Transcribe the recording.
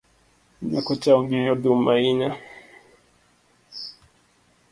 Nyako cha ongeyo dhum ahinya